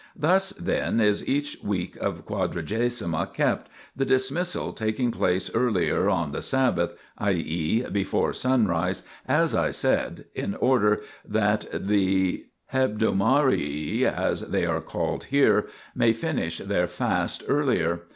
Thus, then, is each week of Quadragesima kept, the dismissal taking THE PILGRIMAGE OF ETHERIA 61 place earlier on the Sabbath, i.e. before sunrise, as I said, in order that the hebdomadarii, as they are called here, may finish their fast earlier.